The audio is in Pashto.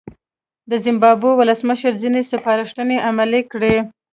د زیمبابوې ولسمشر ځینې سپارښتنې عملي کړې.